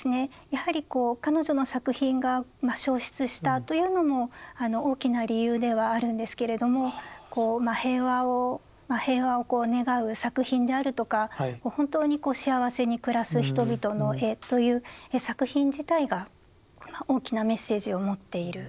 やはり彼女の作品が焼失したというのも大きな理由ではあるんですけれども平和を願う作品であるとか本当に幸せに暮らす人々の絵という作品自体が大きなメッセージを持っている。